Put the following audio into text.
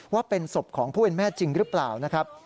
ว่าเป็นศพของผู้เป็นแม่จริงหรือเปล่านะครับ